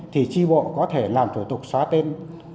thì tri bộ có thể làm thủ tục xóa tên